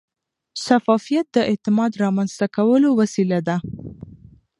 شفافیت د اعتماد رامنځته کولو وسیله ده.